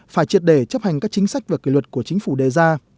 phải triệt để chấp hành các chính sách và kỷ luật của chính phủ đề ra